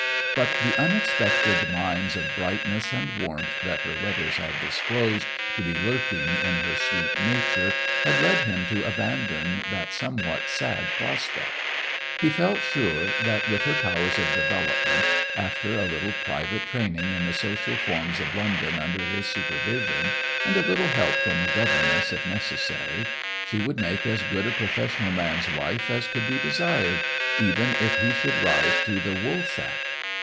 But the unexpected mines of brightness and warmth that her letters had disclosed to be lurking in her sweet nature had led him to abandon that somewhat sad prospect. He felt sure that, with her powers of development, after a little private training in the social forms of London under his supervision, and a little help from a governess if necessary, she would make as good a professional man's wife as could be desired, even if he should rise to the woolsack.